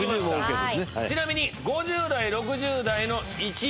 ちなみに５０代６０代の１位。